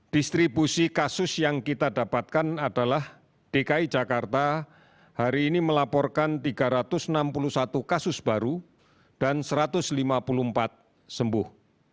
distribusi kasus yang kita dapatkan adalah dki jakarta hari ini melaporkan tiga ratus enam puluh satu kasus baru dan satu ratus lima puluh empat sembuh